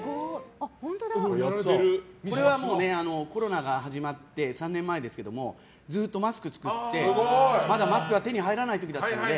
これはコロナが始まって３年前ですけどずっとマスクを作ってまだマスクが手に入らない時だったので。